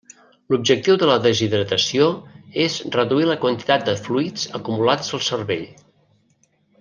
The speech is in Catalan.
L'objectiu de la deshidratació és reduir la quantitat de fluids acumulats al cervell.